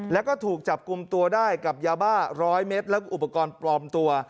แล้วก็ถูกจับกลุ่มตัวได้กับยาบ้า๑๐๐เมตรแล้วก็อุปกรณ์ปลอมตัว